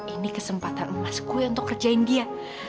ini kesempatan emas saya untuk mengerjakan dia